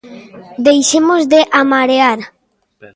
Deixemos de amarear!